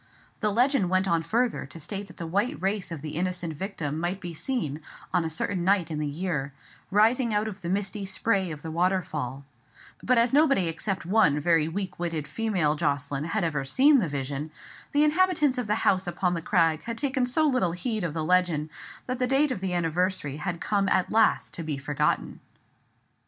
The legend went on further to state that the white wraith of the innocent victim might be seen, on a certain night in the year, rising out of the misty spray of the waterfall: but as nobody except one very weak witted female Jocelyn had ever seen the vision, the inhabitants of the house upon the crag had taken so little heed of the legend that the date of the anniversary had come at last to be forgotten.